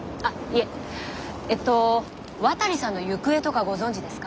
えっと渡さんの行方とかご存じですか？